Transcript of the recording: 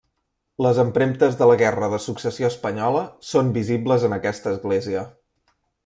Les empremtes de la Guerra de Successió espanyola són visibles en aquesta església.